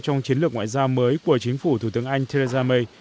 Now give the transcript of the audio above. trong chiến lược ngoại giao mới của chính phủ thủ tướng anh theresa may